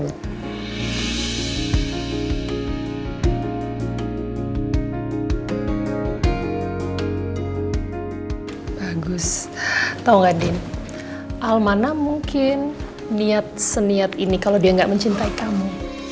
bagus tau gak din almana mungkin niat seniat ini kalau dia nggak mencintai kamu